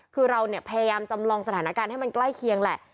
คือเราเนี่ยพยายามจำลองสถานการณ์ให้มันใกล้เคียงแหละ